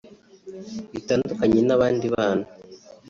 Bitandukanye n’abandi bana